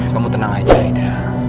kamu tenang aja aida